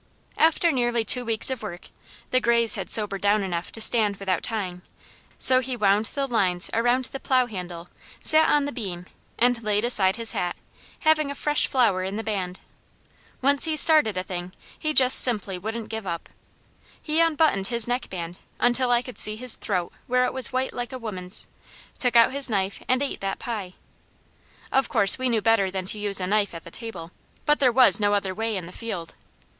After nearly two weeks of work, the grays had sobered down enough to stand without tying; so he wound the lines around the plow handle, sat on the beam, and laid aside his hat, having a fresh flower in the band. Once he started a thing, he just simply wouldn't give up. He unbuttoned his neckband until I could see his throat where it was white like a woman's, took out his knife and ate that pie. Of course we knew better than to use a knife at the table, but there was no other way in the field.